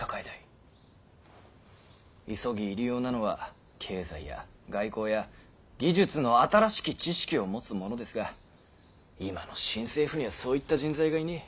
急ぎ入り用なのは経済や外交や技術の新しき知識を持つ者ですが今の新政府にはそういった人材がいねぇ。